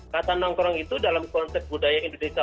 kata nongkrong itu dalam konsep budaya indonesia